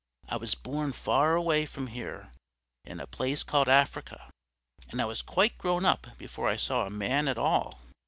"I was born far away from here, in a place called Africa, and I was quite grown up before I saw a man at all.